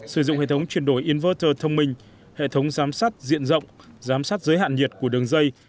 sử dụng hệ thống chuyển đổi inverter thông minh hệ thống giám sát diện rộng giám sát giới hạn nhiệt của đường dây